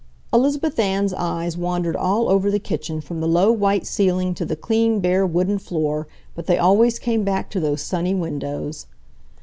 Elizabeth Ann's eyes wandered all over the kitchen from the low, white ceiling to the clean, bare wooden floor, but they always came back to those sunny windows.